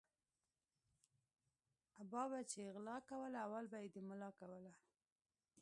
ابا به چی غلا کوله اول به یی د ملا کوله